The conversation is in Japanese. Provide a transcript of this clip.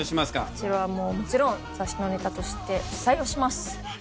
こちらはもちろん雑誌のネタとして採用します。